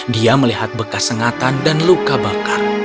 dia melihat bekas sengatan dan luka bakar